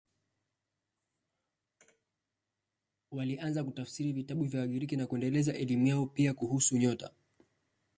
Walianza kutafsiri vitabu vya Wagiriki na kuendeleza elimu yao, pia kuhusu nyota.